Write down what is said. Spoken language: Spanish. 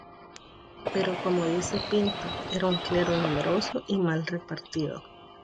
Pero como dice Pinto, era un clero numeroso y mal repartido.